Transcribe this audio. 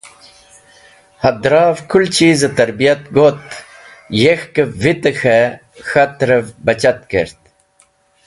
Hadraev kũl chiz-e tarbiyat got, yekk̃hkev vite k̃he, k̃hat’rev bachat kert.